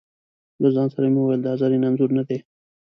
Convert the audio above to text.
له ځانه سره مې وویل: دا زرین انځور نه دی.